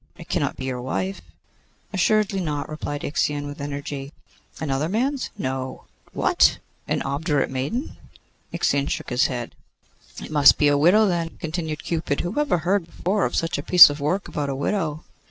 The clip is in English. It cannot be your wife?' 'Assuredly not,' replied Ixion, with energy. 'Another man's?' 'No.' 'What! an obdurate maiden?' Ixion shook his head. 'It must be a widow, then,' continued Cupid. 'Who ever heard before of such a piece of work about a widow!